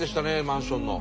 マンションの。